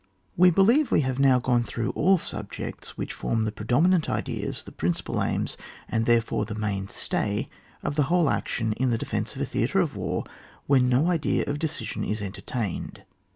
We believe we have now gone through all the subjects which form the predomi nant ideas, the principal aims, and there fore the main stay, of the whole action in the defence of a theatre of war when no idea of decision is entertained.